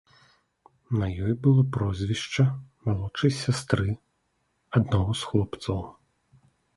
На ёй было прозвішча малодшай сястры аднаго з хлопцаў.